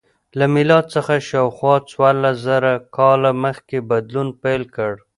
له میلاد څخه شاوخوا څوارلس زره کاله مخکې بدلون پیل کړ.